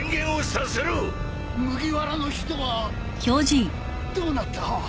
麦わらの人はどうなった。